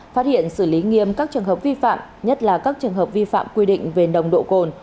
phát hiện xử lý nghiêm các trường hợp vi phạm nhất là các trường hợp vi phạm quy định về nồng độ cồn